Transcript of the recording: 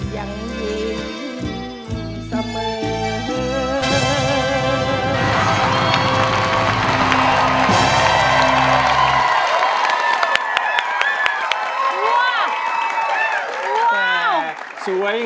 ยังเย็น